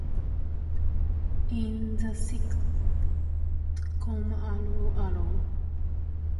In the sitcom 'Allo 'Allo!